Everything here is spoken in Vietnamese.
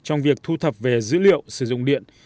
trong việc thu thập về dữ liệu sử dụng điện